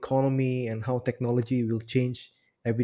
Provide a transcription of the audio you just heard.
dan bagaimana teknologi akan berubah